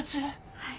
はい。